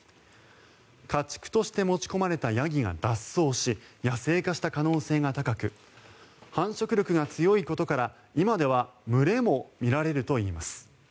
家畜として持ち込まれたヤギが脱走し野生化した可能性が高く繁殖力が強いことから今では群れも見られるといいます。